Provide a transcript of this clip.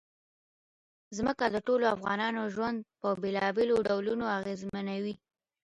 ځمکه د ټولو افغانانو ژوند په بېلابېلو ډولونو اغېزمنوي.